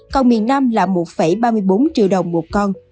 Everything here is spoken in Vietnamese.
còn miền nam là một ba mươi bốn triệu đồng một con